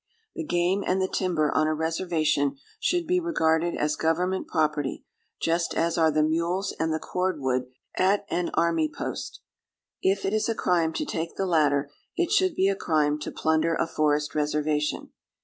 The game and the timber on a reservation should be regarded as government property, just as are the mules and the cordwood at an army post. If it is a crime to take the latter, it should be a crime to plunder a forest reservation.